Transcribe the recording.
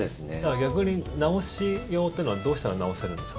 逆に治しようというのはどうしたら治せるんですか？